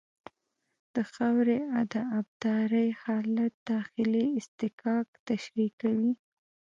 د خاورې د ابدارۍ حالت داخلي اصطکاک تشریح کوي